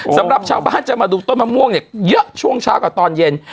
สำหรับชาวบ้านจะมาดูต้นมะม่วงเนี่ยเยอะช่วงเช้ากับตอนเย็น